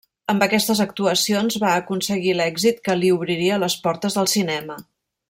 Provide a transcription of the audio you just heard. Amb aquestes actuacions va aconseguir l'èxit que li obriria les portes del cinema.